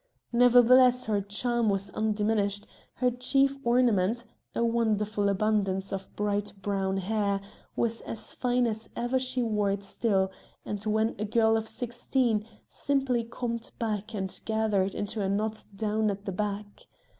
Nevertheless her charm was undiminished; her chief ornament, a wonderful abundance of bright brown hair, was as fine as ever and she wore it still, as when a girl of sixteen, simply combed back and gathered into a knot low down at the back.